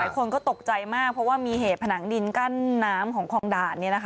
คนก็ตกใจมากเพราะว่ามีเหตุผนังดินกั้นน้ำของคลองด่าน